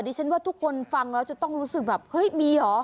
ดิฉันว่าทุกคนฟังแล้วจะต้องรู้สึกแบบเฮ้ยมีเหรอ